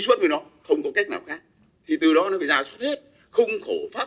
chúc quý vị cùng tốt đại gia tài lộn pháp luật và giải tích ứng với tình hình như vậy